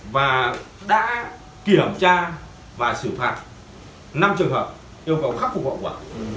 và đã kiểm tra và xử phạt năm trường hợp yêu cầu khắc phục hậu quả